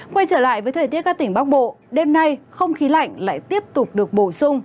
quay trở lại với thời tiết các tỉnh bắc bộ đêm nay không khí lạnh lại tiếp tục được bổ sung